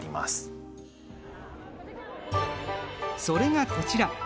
それがこちら。